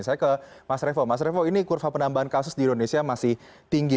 saya ke mas revo mas revo ini kurva penambahan kasus di indonesia masih tinggi